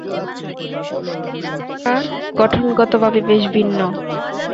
দুটি উপত্যকা গঠনগত ভাবে বেশ ভিন্ন।